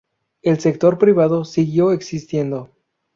El sector privado siguió existiendo.